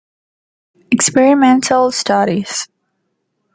Experimental studies.